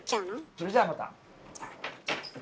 それじゃあまた。